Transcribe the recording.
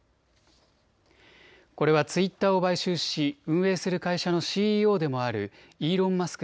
これはツイッターを買収し運営する会社のＣＥＯでもあるイーロン・マスク